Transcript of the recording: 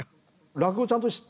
落語ちゃんと知っ